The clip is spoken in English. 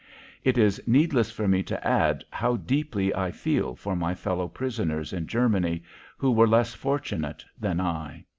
It is needless for me to add how deeply I feel for my fellow prisoners in Germany who were less fortunate than I.